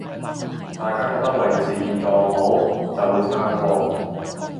大家覺得維持現狀好，就會撐共